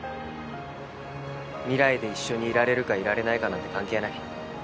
未来で一緒にいられるかいられないかなんて関係ない。